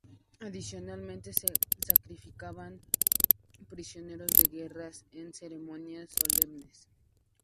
Adicionalmente se sacrificaban prisioneros de guerra en ceremonias solemnes.